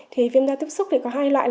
thì viêm da tiếp xúc thì có hai loại